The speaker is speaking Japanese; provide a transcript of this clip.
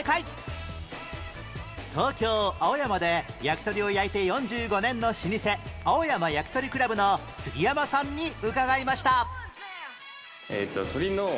東京青山で焼き鳥を焼いて４５年の老舗青山焼鳥倶楽部の杉山さんに伺いました